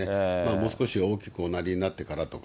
もう少し大きくおなりになってからとか。